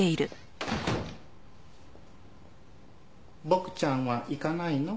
ボクちゃんは行かないの？